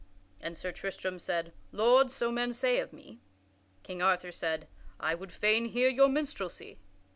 And Sir Tristram said, "Lord, so men say of me." King Arthur said, "I would fain hear your minstrelsy."